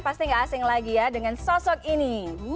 pasti gak asing lagi ya dengan sosok ini